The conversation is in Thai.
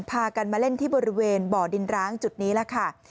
พากันมาเล่นที่บริเวณบ่อดินร้างจุดนี้แหละค่ะ